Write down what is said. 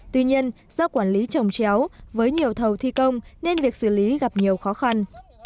tuy nhiên do quản lý trồng chéo với nhiều thầu thi công nên việc xử lý gặp nhiều khó khăn